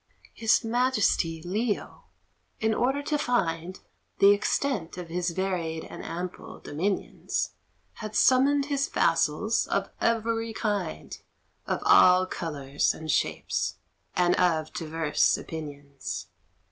His Majesty Leo, in order to find The extent of his varied and ample dominions, Had summoned his vassals of every kind, Of all colours and shapes, and of divers opinions.